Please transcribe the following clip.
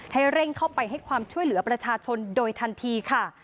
ให้เร่งเข้าไปให้ความช่วยเหลือประชาชนโดยทันทีค่ะ